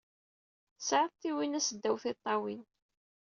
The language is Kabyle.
Tesɛid tiwinas ddaw tiṭṭawin.